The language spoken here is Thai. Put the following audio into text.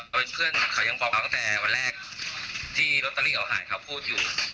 ว่าหายดีเผื่อไปวางไว้ไหนเปล่าในบ้านอ่ะเขาบอกหาแล้วหาไม่เจอ